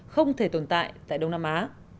không thể tồn tại tại đông nam á